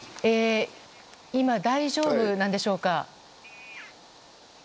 今、大丈夫なんでしょうか？